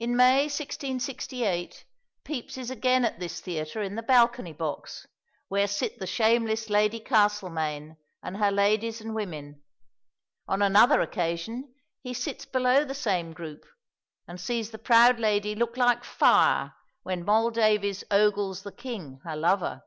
In May 1668 Pepys is again at this theatre in the balcony box, where sit the shameless Lady Castlemaine and her ladies and women; on another occasion he sits below the same group, and sees the proud lady look like fire when Moll Davies ogles the king her lover.